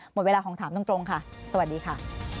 หมดเวลาของถามตรงค่ะสวัสดีค่ะ